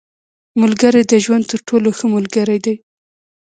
• ملګری د ژوند تر ټولو ښه ملګری دی.